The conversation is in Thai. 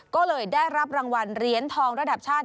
ก็เลยได้รับรางวัลเหรียญทองระดับชาติ